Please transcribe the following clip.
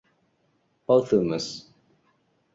Posthumus.